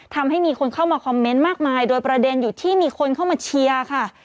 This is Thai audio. ทำให้มีคนเข้ามาคอมเมนต์มากมายโดยประเด็นอยู่ที่มีคนเข้ามาเชียร์ค่ะ